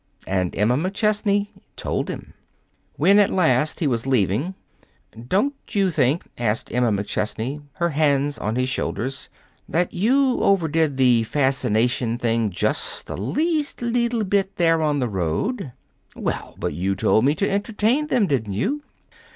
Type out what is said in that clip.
And Emma McChesney told him. When, at last, he was leaving, "Don't you think," asked Emma McChesney, her hands on his shoulders, "that you overdid the fascination thing just the least leetle bit there on the road?" "Well, but you told me to entertain them, didn't you?"